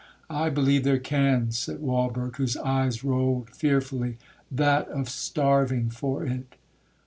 '—'I believe there can,' said Walberg, whose eyes rolled fearfully,—'that of starving for it!